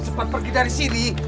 cepat pergi dari sini